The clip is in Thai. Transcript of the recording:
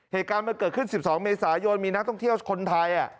เหตุการณ์เกิดขึ้นสิบสองเมษายนมีนักต้องเที่ยวคนไทยอ่ะ